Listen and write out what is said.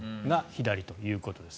左ということです。